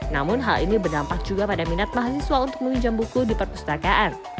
namun hal ini berdampak juga pada minat mahasiswa untuk meminjam buku di perpustakaan